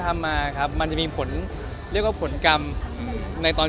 แต่ละชีวิตของแต่ละคน